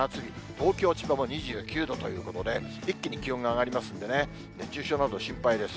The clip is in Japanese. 東京、千葉も２９度ということで、一気に気温が上がりますんでね、熱中症など、心配です。